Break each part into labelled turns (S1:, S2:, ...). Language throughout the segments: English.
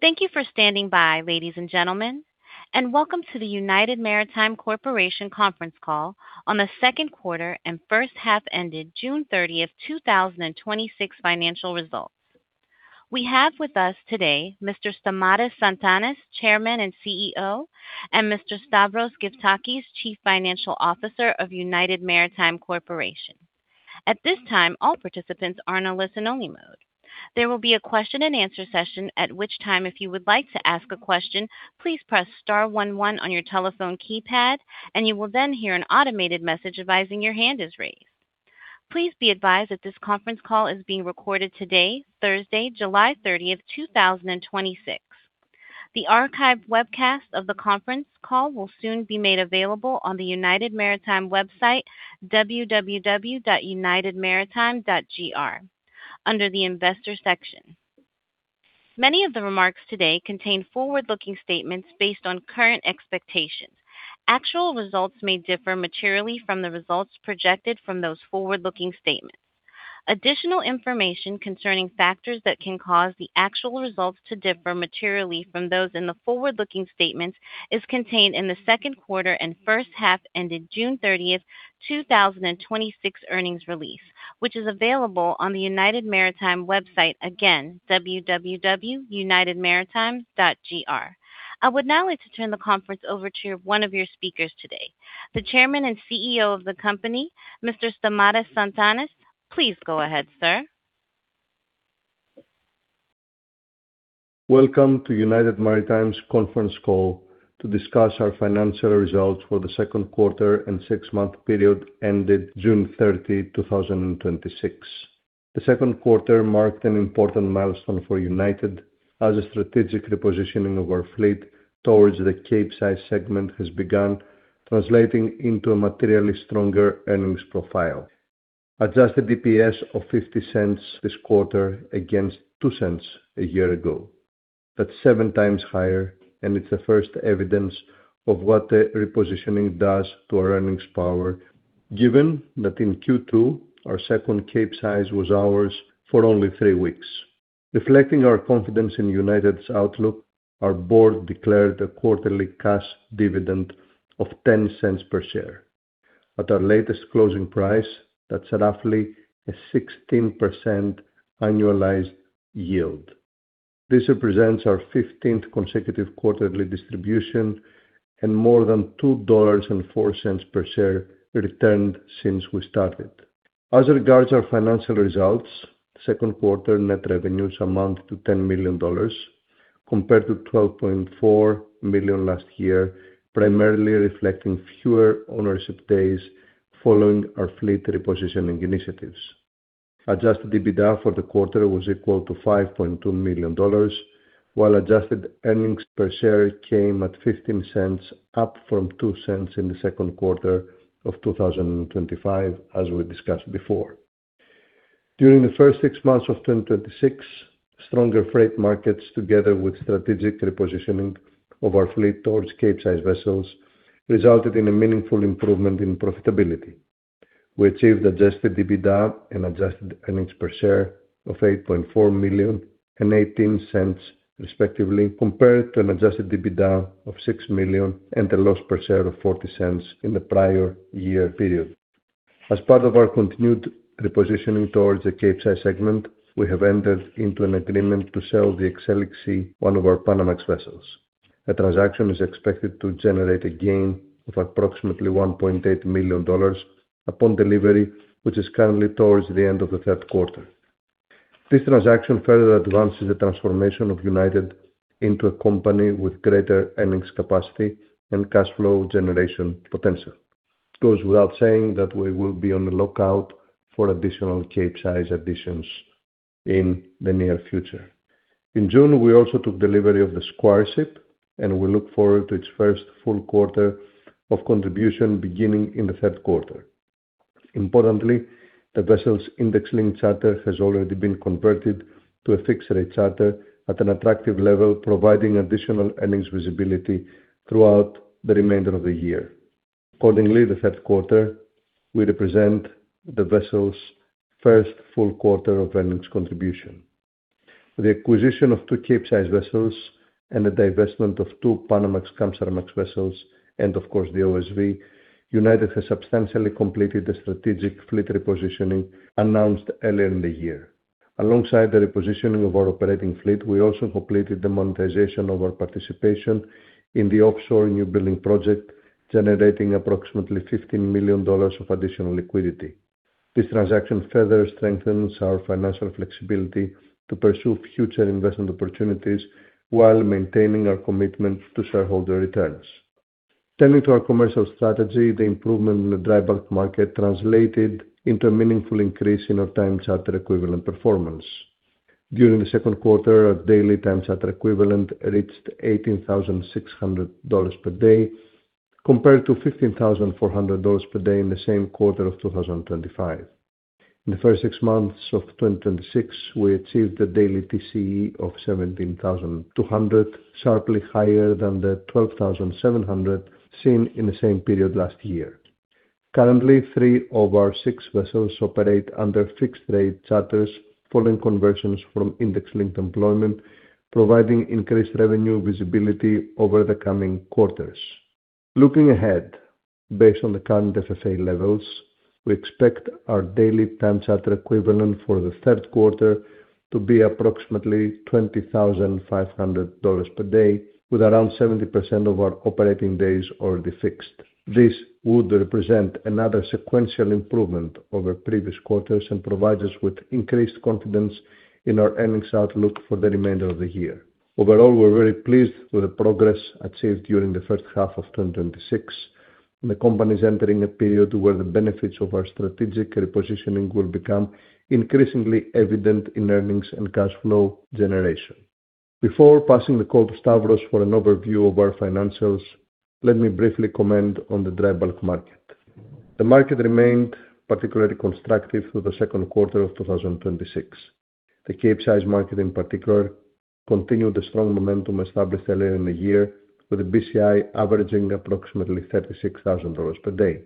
S1: Thank you for standing by, ladies and gentlemen, and welcome to the United Maritime Corporation conference call on the second quarter and first half ended June 30th, 2026, financial results. We have with us today Mr. Stamati Tsantanis, Chairman and CEO, and Mr. Stavros Gyftakis, Chief Financial Officer of United Maritime Corporation. At this time, all participants are in a listen-only mode. There will be a question and answer session at which time, if you would like to ask a question, please press star one one on your telephone keypad, and you will then hear an automated message advising your hand is raised. Please be advised that this conference call is being recorded today, Thursday, July 30th, 2026. The archived webcast of the conference call will soon be made available on the United Maritime website, www.unitedmaritime.gr, under the investor section. Many of the remarks today contain forward-looking statements based on current expectations. Actual results may differ materially from the results projected from those forward-looking statements. Additional information concerning factors that can cause the actual results to differ materially from those in the forward-looking statements is contained in the second quarter and first half ended June 30th, 2026 earnings release, which is available on the United Maritime website, again, www.unitedmaritime.gr. I would now like to turn the conference over to one of your speakers today, the Chairman and CEO of the company, Mr. Stamati Tsantanis. Please go ahead, sir.
S2: Welcome to United Maritime's conference call to discuss our financial results for the second quarter and six-month period ended June 30, 2026. The second quarter marked an important milestone for United as a strategic repositioning of our fleet towards the Capesize segment has begun translating into a materially stronger earnings profile. Adjusted EPS of $0.50 this quarter against $0.02 a year ago. That's seven times higher, and it's the first evidence of what the repositioning does to our earnings power, given that in Q2, our second Capesize was ours for only three weeks. Reflecting our confidence in United's outlook, our board declared a quarterly cash dividend of $0.10 per share. At our latest closing price, that's roughly a 16% annualized yield. This represents our 15th consecutive quarterly distribution and more than $2.04 per share returned since we started. As regards our financial results, second quarter net revenues amount to $10 million compared to $12.4 million last year, primarily reflecting fewer ownership days following our fleet repositioning initiatives. Adjusted EBITDA for the quarter was equal to $5.2 million, while adjusted earnings per share came at $0.15, up from $0.02 in the second quarter of 2025, as we discussed before. During the first six months of 2026, stronger freight markets, together with strategic repositioning of our fleet towards Capesize vessels, resulted in a meaningful improvement in profitability. We achieved adjusted EBITDA and adjusted earnings per share of $8.4 million and $0.18, respectively, compared to an adjusted EBITDA of $6 million and a loss per share of $0.40 in the prior year period. As part of our continued repositioning towards the Capesize segment, we have entered into an agreement to sell the Exelixsea, one of our Panamax vessels. The transaction is expected to generate a gain of approximately $1.8 million upon delivery, which is currently towards the end of the third quarter. This transaction further advances the transformation of United into a company with greater earnings capacity and cash flow generation potential. It goes without saying that we will be on the lookout for additional Capesize additions in the near future. In June, we also took delivery of the Squireship, and we look forward to its first full quarter of contribution beginning in the third quarter. Importantly, the vessel's index-linked charter has already been converted to a fixed-rate charter at an attractive level, providing additional earnings visibility throughout the remainder of the year. Accordingly, the third quarter will represent the vessel's first full quarter of earnings contribution. The acquisition of two Capesize vessels and the divestment of two Panamax/Capesize vessels, and of course, the OSV, United has substantially completed the strategic fleet repositioning announced earlier in the year. Alongside the repositioning of our operating fleet, we also completed the monetization of our participation in the offshore new building project, generating approximately $15 million of additional liquidity. This transaction further strengthens our financial flexibility to pursue future investment opportunities while maintaining our commitment to shareholder returns. Turning to our commercial strategy, the improvement in the dry bulk market translated into a meaningful increase in our Time Charter Equivalent performance. During the second quarter, our daily Time Charter Equivalent reached $18,600 per day, compared to $15,400 per day in the same quarter of 2025. In the first six months of 2026, we achieved a daily TCE of $17,200, sharply higher than the $12,700 seen in the same period last year. Currently, three of our six vessels operate under fixed-rate charters following conversions from index-linked employment, providing increased revenue visibility over the coming quarters. Looking ahead, based on the current FFA levels, we expect our daily Time Charter Equivalent for the third quarter to be approximately $20,500 per day, with around 70% of our operating days already fixed. This would represent another sequential improvement over previous quarters and provide us with increased confidence in our earnings outlook for the remainder of the year. Overall, we're very pleased with the progress achieved during the first half of 2026. The company is entering a period where the benefits of our strategic repositioning will become increasingly evident in earnings and cash flow generation. Before passing the call to Stavros for an overview of our financials, let me briefly comment on the dry bulk market. The market remained particularly constructive through the second quarter of 2026. The Capesize market, in particular, continued the strong momentum established earlier in the year, with the BCI averaging approximately $36,000 per day,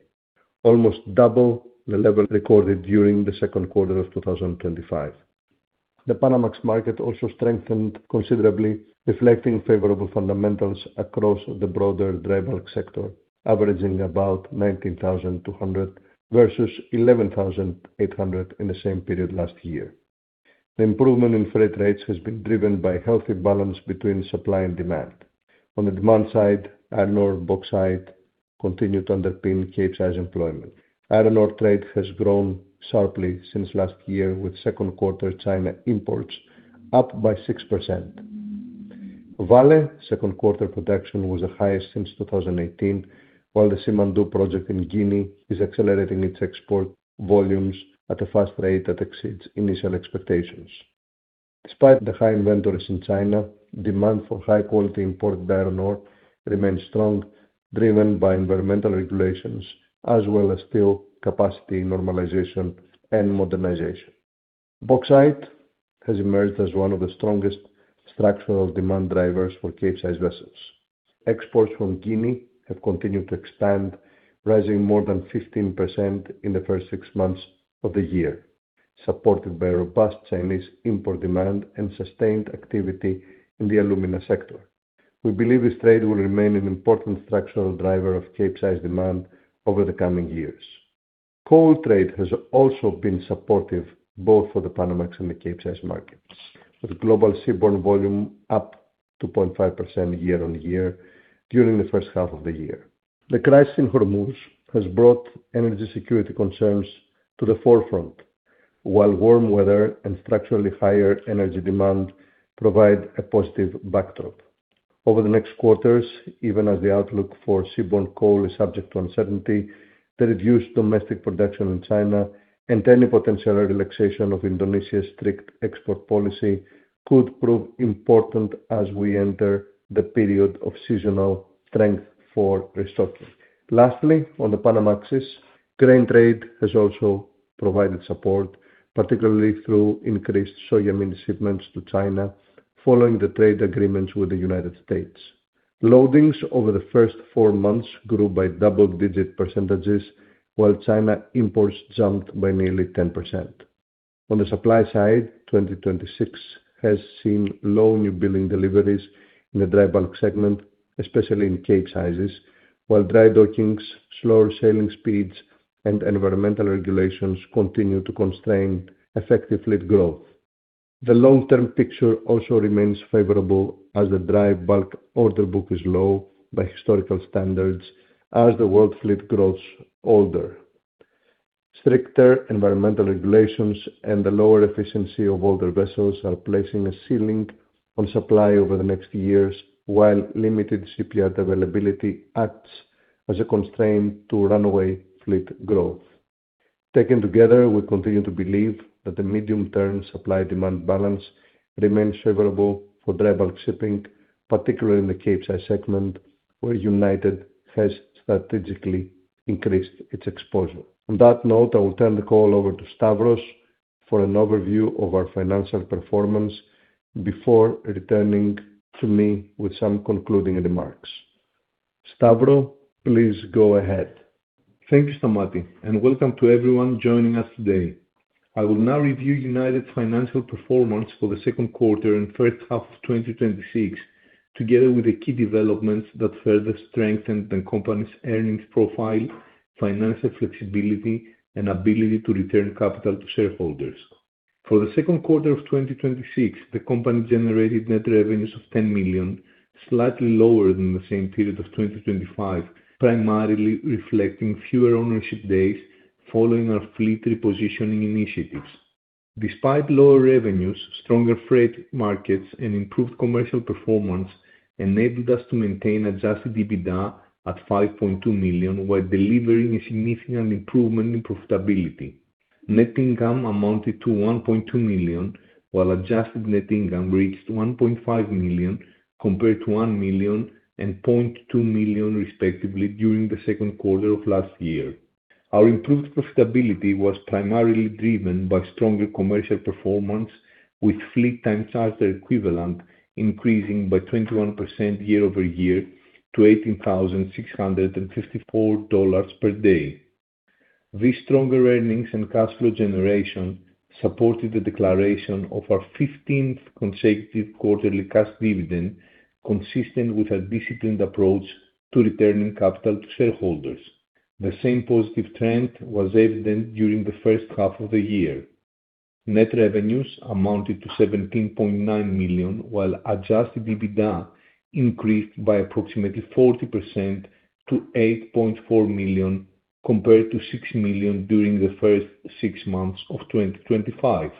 S2: almost double the level recorded during the second quarter of 2025. The Panamax market also strengthened considerably, reflecting favorable fundamentals across the broader dry bulk sector, averaging about $19,200 versus $11,800 in the same period last year. The improvement in freight rates has been driven by a healthy balance between supply and demand. On the demand side, iron ore bauxite continued to underpin Capesize employment. Iron ore trade has grown sharply since last year, with second quarter China imports up by 6%. Vale second quarter production was the highest since 2018, while the Simandou project in Guinea is accelerating its export volumes at a fast rate that exceeds initial expectations. Despite the high inventories in China, demand for high-quality imported iron ore remains strong, driven by environmental regulations as well as steel capacity normalization and modernization. Bauxite has emerged as one of the strongest structural demand drivers for Capesize vessels. Exports from Guinea have continued to expand, rising more than 15% in the first six months of the year, supported by robust Chinese import demand and sustained activity in the alumina sector. We believe this trade will remain an important structural driver of Capesize demand over the coming years. Coal trade has also been supportive both for the Panamax and the Capesize markets, with global seaborne volume up 2.5% year-on-year during the first half of the year. The crisis in Hormuz has brought energy security concerns to the forefront, while warm weather and structurally higher energy demand provide a positive backdrop. Over the next quarters, even as the outlook for seaborne coal is subject to uncertainty, the reduced domestic production in China and any potential relaxation of Indonesia's strict export policy could prove important as we enter the period of seasonal strength for restocking. Lastly, on the Panamax, grain trade has also provided support, particularly through increased soya bean shipments to China following the trade agreements with the U.S. Loadings over the first four months grew by double-digit percentages, while China imports jumped by nearly 10%. On the supply side, 2026 has seen low new building deliveries in the dry bulk segment, especially in Capesizes, while dry dockings, slower sailing speeds, and environmental regulations continue to constrain effective fleet growth. The long-term picture also remains favorable as the dry bulk order book is low by historical standards as the world fleet grows older. Stricter environmental regulations and the lower efficiency of older vessels are placing a ceiling on supply over the next years, while limited shipyard availability acts as a constraint to runaway fleet growth. Taken together, we continue to believe that the medium-term supply-demand balance remains favorable for dry bulk shipping, particularly in the Capesize segment, where United has strategically increased its exposure. On that note, I will turn the call over to Stavros for an overview of our financial performance before returning to me with some concluding remarks. Stavro, please go ahead.
S3: Thank you, Stamati. Welcome to everyone joining us today. I will now review United's financial performance for the second quarter and first half of 2026, together with the key developments that further strengthened the company's earnings profile, financial flexibility, and ability to return capital to shareholders. For the second quarter of 2026, the company generated net revenues of $10 million, slightly lower than the same period of 2025, primarily reflecting fewer ownership days following our fleet repositioning initiatives. Despite lower revenues, stronger freight markets and improved commercial performance enabled us to maintain adjusted EBITDA at $5.2 million while delivering a significant improvement in profitability. Net income amounted to $1.2 million, while adjusted net income reached $1.5 million, compared to $1 million and $0.2 million respectively during the second quarter of last year. Our improved profitability was primarily driven by stronger commercial performance, with fleet Time Charter Equivalent increasing by 21% year-over-year to $18,654 per day. These stronger earnings and cash flow generation supported the declaration of our 15th consecutive quarterly cash dividend, consistent with our disciplined approach to returning capital to shareholders. The same positive trend was evident during the first half of the year. Net revenues amounted to $17.9 million, while adjusted EBITDA increased by approximately 40% to $8.4 million, compared to $6 million during the first six months of 2025.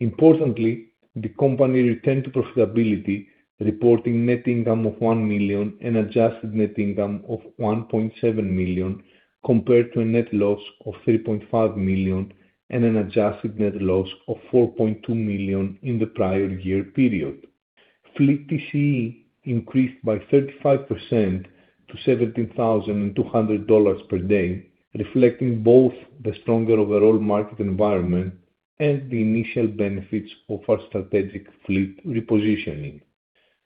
S3: Importantly, the company returned to profitability, reporting net income of $1 million and adjusted net income of $1.7 million, compared to a net loss of $3.5 million and an adjusted net loss of $4.2 million in the prior year period. Fleet TCE increased by 35% to $17,200 per day, reflecting both the stronger overall market environment and the initial benefits of our strategic fleet repositioning.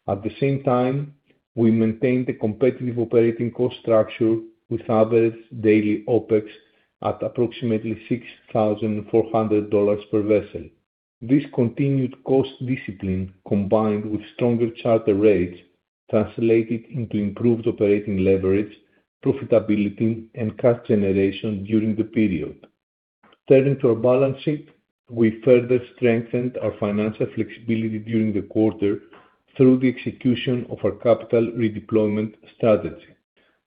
S3: At the same time, we maintained a competitive operating cost structure with average daily OPEX at approximately $6,400 per vessel. This continued cost discipline, combined with stronger charter rates, translated into improved operating leverage, profitability, and cash generation during the period. Turning to our balance sheet, we further strengthened our financial flexibility during the quarter through the execution of our capital redeployment strategy.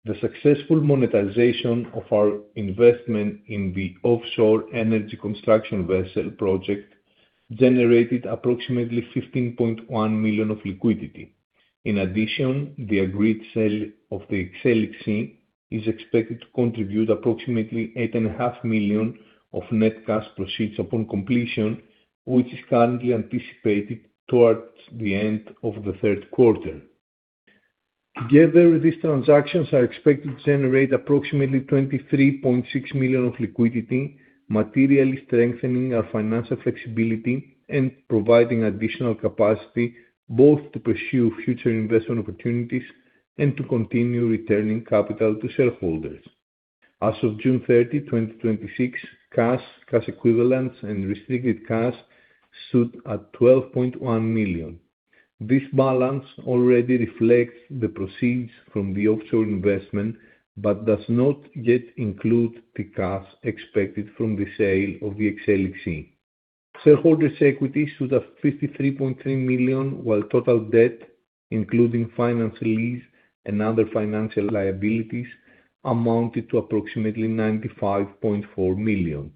S3: The successful monetization of our investment in the offshore energy construction vessel project generated approximately $15.1 million of liquidity. In addition, the agreed sale of the Exelixsea is expected to contribute approximately $8.5 million of net cash proceeds upon completion, which is currently anticipated towards the end of the third quarter. Together, these transactions are expected to generate approximately $23.6 million of liquidity, materially strengthening our financial flexibility and providing additional capacity both to pursue future investment opportunities and to continue returning capital to shareholders. As of June 30, 2026, cash equivalents and restricted cash stood at $12.1 million. This balance already reflects the proceeds from the offshore investment but does not yet include the cash expected from the sale of the Exelixsea. Shareholders' equity stood at $53.3 million, while total debt, including finance lease and other financial liabilities, amounted to approximately $95.4 million.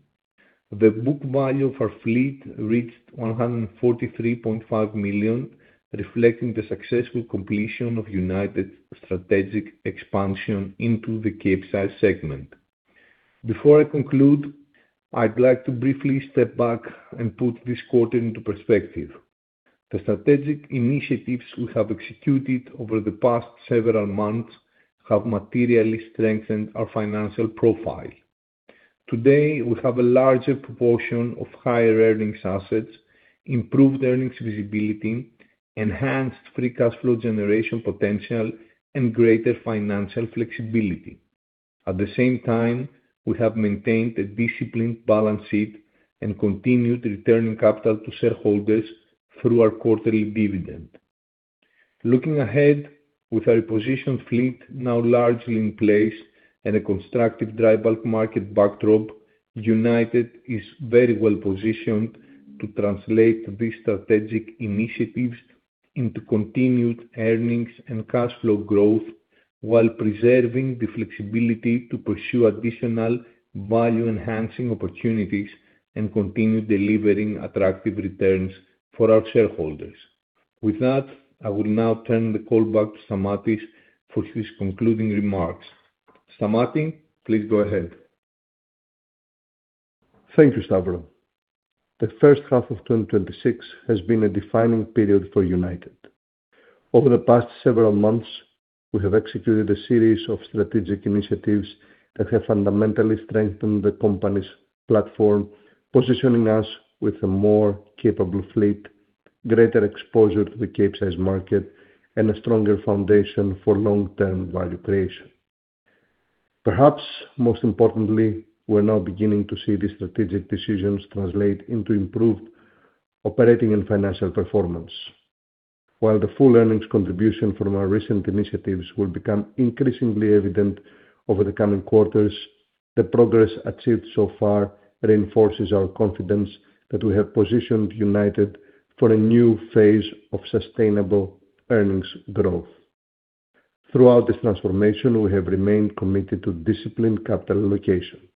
S3: The book value of our fleet reached $143.5 million, reflecting the successful completion of United's strategic expansion into the Capesize segment. Before I conclude, I'd like to briefly step back and put this quarter into perspective. The strategic initiatives we have executed over the past several months have materially strengthened our financial profile. Today, we have a larger proportion of higher-earnings assets, improved earnings visibility, enhanced free cash flow generation potential, and greater financial flexibility. At the same time, we have maintained a disciplined balance sheet and continued returning capital to shareholders through our quarterly dividend. Looking ahead, with our repositioned fleet now largely in place and a constructive dry bulk market backdrop, United is very well positioned to translate these strategic initiatives into continued earnings and cash flow growth while preserving the flexibility to pursue additional value-enhancing opportunities and continue delivering attractive returns for our shareholders. With that, I will now turn the call back to Stamati for his concluding remarks. Stamati, please go ahead.
S2: Thank you, Stavros. The first half of 2026 has been a defining period for United. Over the past several months, we have executed a series of strategic initiatives that have fundamentally strengthened the company's platform, positioning us with a more capable fleet, greater exposure to the Capesize market, and a stronger foundation for long-term value creation. Perhaps most importantly, we are now beginning to see these strategic decisions translate into improved operating and financial performance. While the full earnings contribution from our recent initiatives will become increasingly evident over the coming quarters, the progress achieved so far reinforces our confidence that we have positioned United for a new phase of sustainable earnings growth. Throughout this transformation, we have remained committed to disciplined capital allocation.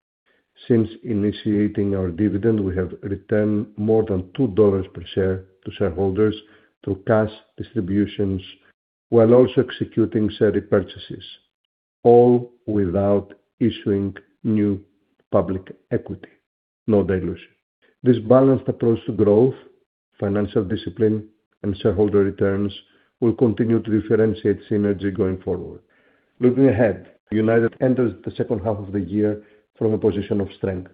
S2: Since initiating our dividend, we have returned more than $2 per share to shareholders through cash distributions while also executing share repurchases, all without issuing new public equity. No dilution. This balanced approach to growth, financial discipline, and shareholder returns will continue to differentiate United going forward. Looking ahead, United enters the second half of the year from a position of strength.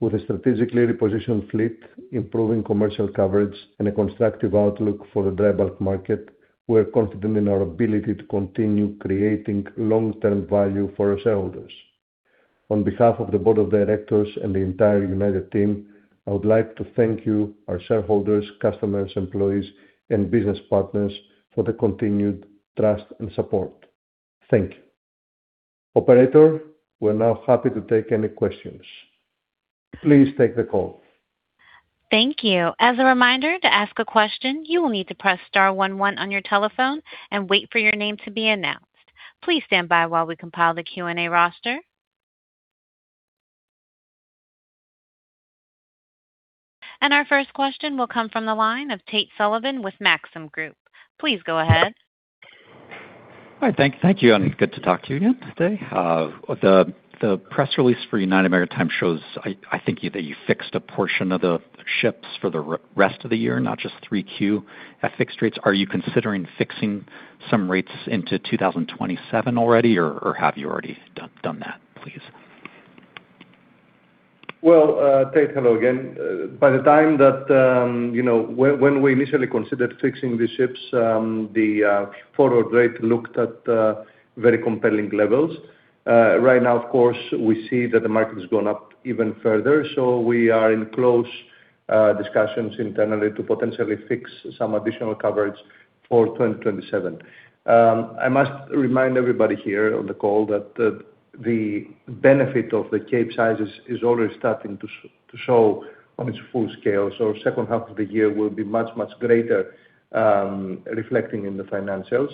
S2: With a strategically repositioned fleet, improving commercial coverage, and a constructive outlook for the dry bulk market, we are confident in our ability to continue creating long-term value for our shareholders. On behalf of the board of directors and the entire United team, I would like to thank you, our shareholders, customers, employees, and business partners for the continued trust and support. Thank you. Operator, we are now happy to take any questions. Please take the call.
S1: Thank you. As a reminder, to ask a question, you will need to press star one one on your telephone and wait for your name to be announced. Please stand by while we compile the Q&A roster. Our first question will come from the line of Tate Sullivan with Maxim Group. Please go ahead.
S4: Hi, thank you. Good to talk to you again today. The press release for United Maritime shows, I think, that you fixed a portion of the ships for the rest of the year, not just 3Q at fixed rates. Are you considering fixing some rates into 2027 already, or have you already done that, please?
S2: Well, Tate, hello again. By the time that when we initially considered fixing the ships, the forward rate looked at very compelling levels. Right now, of course, we see that the market has gone up even further, we are in close discussions internally to potentially fix some additional coverage for 2027. I must remind everybody here on the call that the benefit of the Capesizes is only starting to show on its full scale. Second half of the year will be much greater, reflecting in the financials.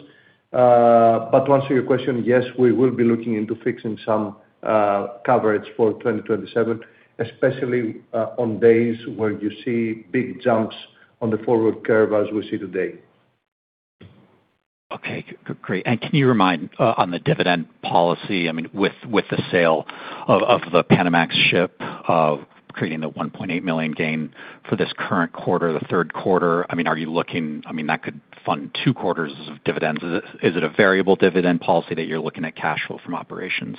S2: To answer your question, yes, we will be looking into fixing some coverage for 2027, especially on days where you see big jumps on the forward curve, as we see today.
S4: Okay. Great. Can you remind, on the dividend policy, with the sale of the Panamax ship, creating the $1.8 million gain for this current quarter, the third quarter, are you looking, that could fund two quarters of dividends. Is it a variable dividend policy that you're looking at cash flow from operations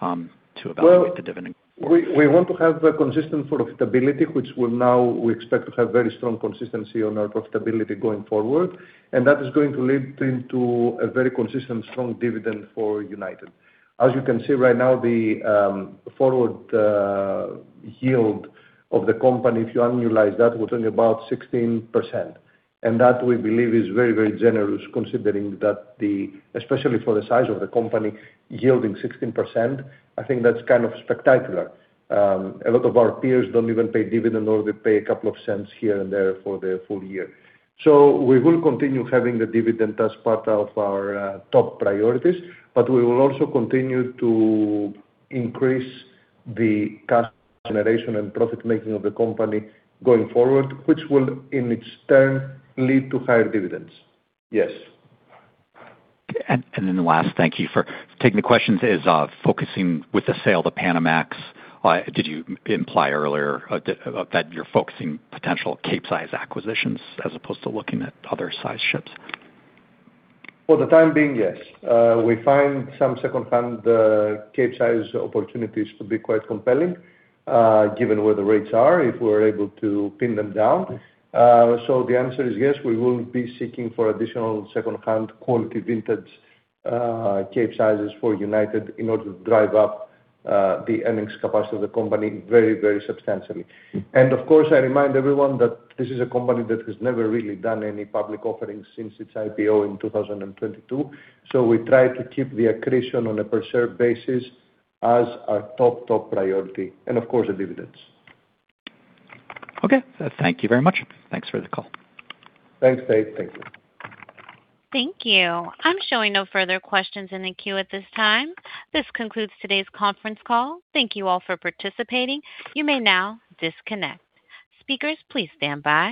S4: to evaluate the dividend?
S2: We want to have a consistent profitability, we expect to have very strong consistency on our profitability going forward, that is going to lead into a very consistent, strong dividend for United. As you can see right now, the forward yield of the company, if you annualize that, we're talking about 16%. That, we believe is very generous, considering especially for the size of the company yielding 16%, I think that's kind of spectacular. A lot of our peers don't even pay dividend, or they pay a couple of cents here and there for the full year. We will continue having the dividend as part of our top priorities, we will also continue to increase the cash generation and profit-making of the company going forward, which will, in its turn, lead to higher dividends. Yes.
S4: The last thank you for taking the questions is focusing with the sale, the Panamax. Did you imply earlier that you're focusing potential Capesize acquisitions as opposed to looking at other size ships?
S2: For the time being, yes. We find some secondhand Capesize opportunities to be quite compelling, given where the rates are if we're able to pin them down. The answer is yes, we will be seeking for additional secondhand quality vintage Capesizes for United in order to drive up the earnings capacity of the company very, very substantially. Of course, I remind everyone that this is a company that has never really done any public offerings since its IPO in 2022. We try to keep the accretion on a per share basis as our top priority, and of course, the dividends.
S4: Okay. Thank you very much. Thanks for the call.
S2: Thanks, Tate. Thank you.
S1: Thank you. I'm showing no further questions in the queue at this time. This concludes today's conference call. Thank you all for participating. You may now disconnect. Speakers, please stand by.